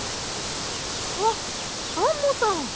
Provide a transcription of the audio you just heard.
あっアンモさん。